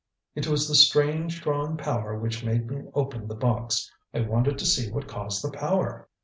"It was the strange drawing power which made me open the box. I wanted to see what caused the power."